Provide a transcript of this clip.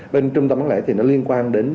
bên trung tâm bán lẻ thì nó liên quan đến